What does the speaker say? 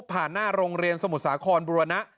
ผ่านหน้าโรงเรียนสมุดสาครบรุณะ